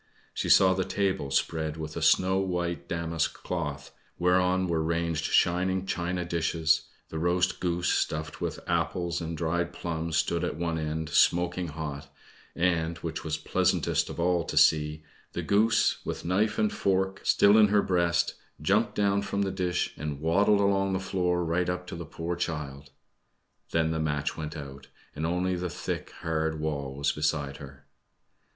She saw the table spread with a snow white damask cloth, whereon were ranged shining china dishes; the roast goose, stuffed with apples and dried plums, stood at one end, smoking hot, and which was pleasantest of all to see the goose, with knife and fork still in her breast, jumped down from the dish, and waddled along the floor right up to the poor child. Then the match went out, and only the thick, hard wall was beside her.